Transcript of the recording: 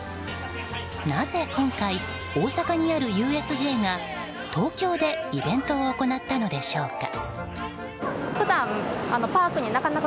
なぜ今回、大阪にあるＵＳＪが東京でイベントを行ったのでしょうか。